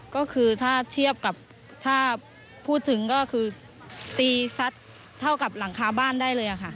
ก็คือถ้าเทียบกับถ้าพูดถึงก็คือตีซัดเท่ากับหลังคาบ้านได้เลยค่ะ